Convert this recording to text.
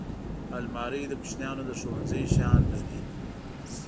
الماري د کوچنیانو د ښوونځي شیان لري